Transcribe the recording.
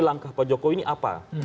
langkah pak jokowi ini apa